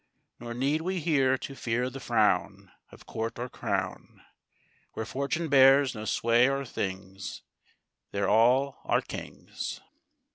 Nor need we here to fear the frown Of court or crown; Where fortune bears no sway o'er things, There all are kings.